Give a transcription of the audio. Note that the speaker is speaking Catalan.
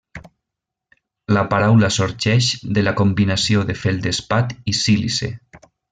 La paraula sorgeix de la combinació de feldespat i sílice.